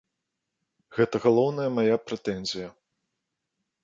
Гэта галоўная мая прэтэнзія.